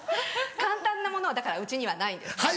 簡単なものはだからうちにはないんです。